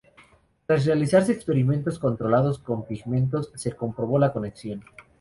Tras realizarse experimentos controlados con pigmentos se comprobó la conexión.